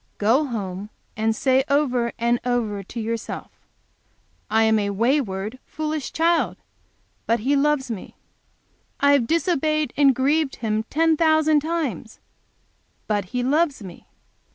Go home and say over and over to yourself, 'I am a wayward, foolish child. But He loves me! I have disobeyed and grieved Him ten thousand times. But He loves me!